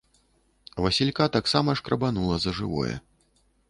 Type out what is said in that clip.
Васілька таксама шкрабанула за жывое.